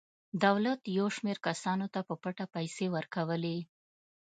دولت یو شمېر کسانو ته په پټه پیسې ورکولې.